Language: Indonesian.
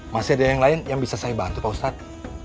masih ada yang lain yang bisa saya bantu pak ustadz